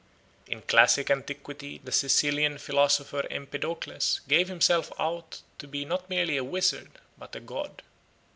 In classical antiquity the Sicilian philosopher Empedocles gave himself out to be not merely a wizard but a god.